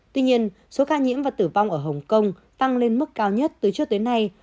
tuy nhiên số ca nhiễm và tử vong ở hồng kông tăng lên mức cao nhất từ trước đến nay